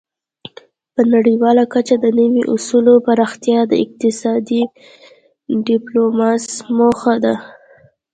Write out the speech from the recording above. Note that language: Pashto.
په نړیواله کچه د نوي اصولو پراختیا د اقتصادي ډیپلوماسي موخه ده